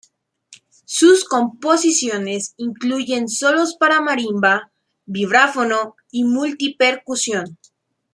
Sus composiciones incluyen solos para marimba, vibráfono y multi-percusión.